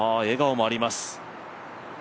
笑顔もあります。